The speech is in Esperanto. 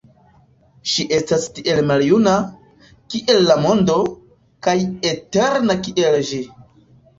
Ŝi estas tiel maljuna, kiel la mondo, kaj eterna kiel ĝi.